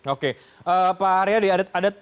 oke pak aryadi ada